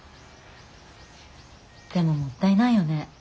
でももったいないよね。